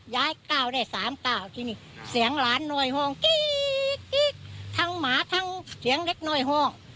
ย้ายก้าวได้สามก้าวทีนี้เสียงหลานน้อยห้องทั้งหมาทั้งเสียงเล็กน้อยห้อง